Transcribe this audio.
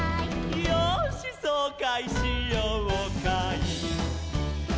「よーしそうかいしようかい」